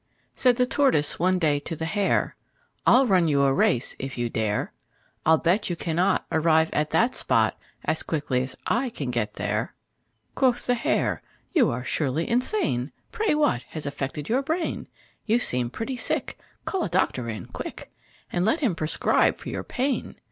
Said the Tortoise one day to the Hare: "I'll run you a race if you dare. I'll bet you cannot Arrive at that spot As quickly as I can get there." Quoth the Hare: "You are surely insane. Pray, what has affected your brain? You seem pretty sick. Call a doctor in quick, And let him prescribe for your pain."